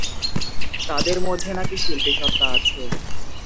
তাঁদের মধ্যে নাকি শিল্পীসত্তা আছে।